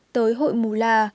tới hội mù la